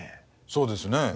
そうですね。